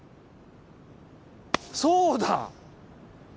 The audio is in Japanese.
そうだ！